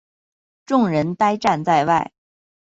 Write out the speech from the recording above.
众人呆站在外